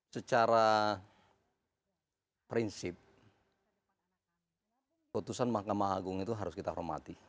secara prinsip putusan mahkamah agung itu harus kita hormati